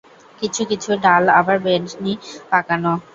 কিছু-কিছু ডাল আবার বেণী পাকানো।